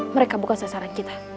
mereka bukan sasaran kita